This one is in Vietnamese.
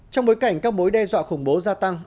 trong bối cảnh các mối đe dọa khủng bố gia tăng